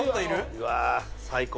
うわ最高。